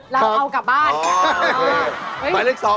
เราเอากลับบ้านค่ะโอ้โฮครับ